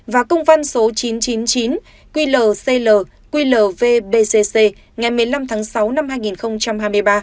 và công văn số chín trăm chín mươi chín quy lờ cl quy lờ vbcc ngày một mươi năm tháng sáu năm hai nghìn hai mươi ba